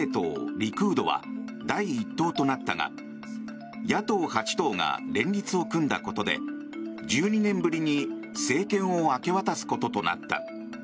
リクードは第１党となったが野党８党が連立を組んだことで１２年ぶりに政権を明け渡すこととなった。